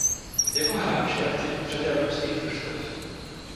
Jako hráč je aktivní v řadě evropských družstev.